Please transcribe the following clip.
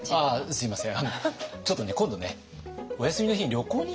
すみません。